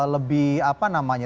lebih apa namanya